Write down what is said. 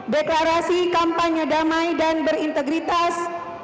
deklarasi kampanye damai dan berintegritas